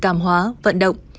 cảm hóa vận động